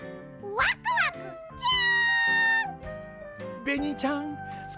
ワクワクキュン！